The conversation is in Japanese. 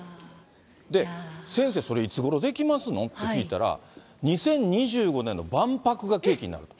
で、先生、それいつごろできますのって聞いたら、２０２５年の万博が契機になると。